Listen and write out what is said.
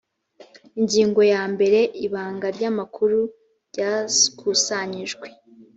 ingingo ya mbere ibanga ry amakuru yakusanyijwe